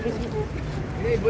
di sini sih bu